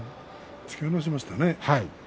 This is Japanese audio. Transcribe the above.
突き出しましたね。